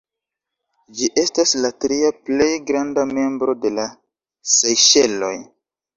Ĝi estas la tria plej granda membro de la Sejŝeloj.